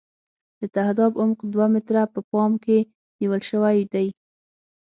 د تهداب عمق دوه متره په پام کې نیول شوی دی